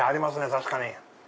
確かに。